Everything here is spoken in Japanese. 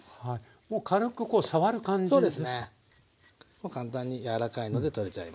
もう簡単に柔らかいので取れちゃいます。